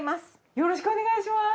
よろしくお願いします。